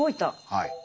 はい。